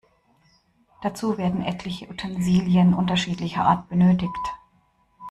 Dazu werden etliche Utensilien unterschiedlicher Art benötigt.